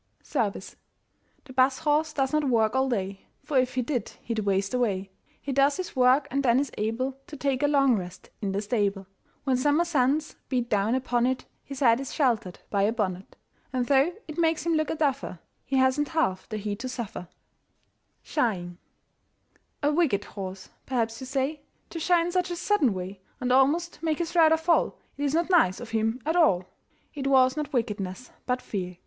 SERVICE. The Bus horse does not work all day, For if he did he'd waste away. He does his work and then is able To take a long rest in the stable. When summer suns beat down upon it His head is sheltered by a bonnet; And though it makes him look a duffer, He hasn't half the heat to suffer. SHYING. "A wicked horse," perhaps you say, "To shy in such a sudden way, And almost make his rider fall. It is not nice of him at all." It was not wickedness, but fear.